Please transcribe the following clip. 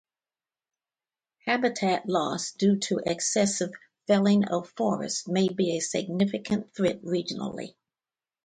Habitat loss due to excessive felling of forests may be a significant threat regionally.